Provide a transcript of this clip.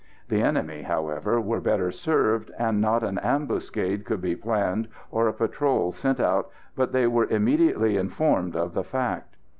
The enemy, however, were better served, and not an ambuscade could be planned or a patrol sent out but they were immediately informed of the fact.